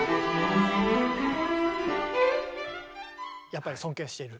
やっぱり尊敬している？